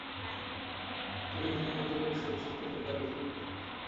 তুমি পঙ্গু লোক সহ্য করতে পার তো?